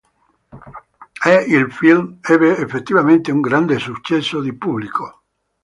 E il film ebbe effettivamente un grande successo di pubblico.